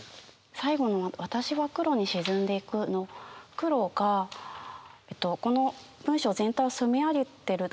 最後の「私は黒に沈んでいく」の「黒」がこの文章全体を染め上げてる。